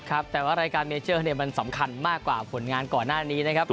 ครับแต่ว่ารายการเมเจอร์เนี่ยมันสำคัญมากกว่าผลงานก่อนหน้านี้นะครับ